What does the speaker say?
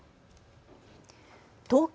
東京